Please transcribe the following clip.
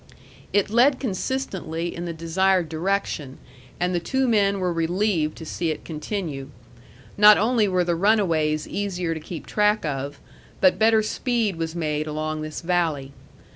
It led consistently in the desired direction, and the two men were relieved to see it continue. Not only were the runaways easier to keep track of, but better speed was made along this valley.